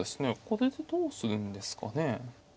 これでどうするんですかね。